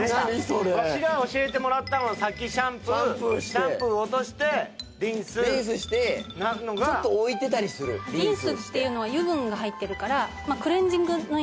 それワシが教えてもらったんは先シャンプーシャンプー落としてシャンプーしてリンスなのがリンスしてちょっと置いてたりするリンスリンスっていうのは油分が入ってるから先に？